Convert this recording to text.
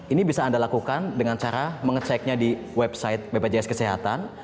ini bisa anda lakukan dengan cara mengeceknya di website bpjs kesehatan